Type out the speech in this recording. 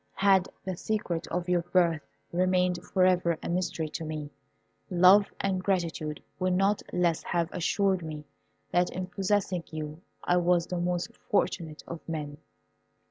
Had the secret of your birth remained for ever a mystery to me, love and gratitude would not less have assured me that in possessing you I was the most fortunate of men!